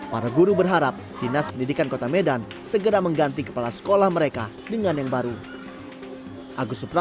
para guru berharap dinas pendidikan kota medan segera mengganti kepala sekolah mereka dengan yang baru